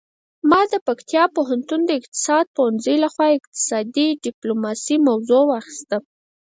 ما د پکتیا پوهنتون د اقتصاد پوهنځي لخوا اقتصادي ډیپلوماسي موضوع واخیسته